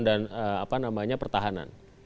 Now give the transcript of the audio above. dan apa namanya pertahanan